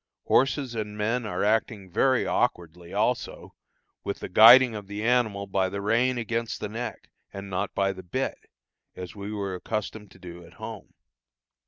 Horses and men are acting very awkwardly, also, with the guiding of the animal by the rein against the neck, and not by the bit, as we were accustomed to do at home.